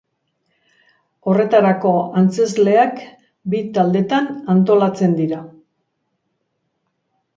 Horretarako antzezleak bi taldetan antolatzen dira.